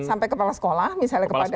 sampai kepala sekolah misalnya kepada